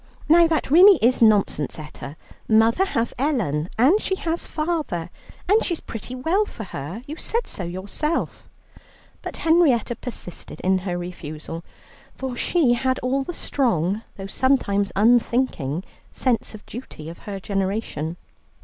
"Now, that really is nonsense, Etta. Mother has Ellen, and she has father, and she is pretty well for her; you said so yourself." But Henrietta persisted in her refusal, for she had all the strong, though sometimes unthinking, sense of duty of her generation.